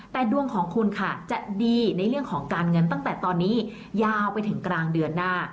แต่ดวงของคุณค่ะจะดีในเรื่องของการเงินตั้งแต่ตอนนี้ยาวไปถึงกลางเดือนหน้า